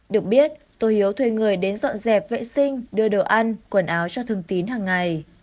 được biết tô hiếu thuê người đến dọn dẹp vệ sinh đưa đồ ăn quần áo cho thường tín hàng ngày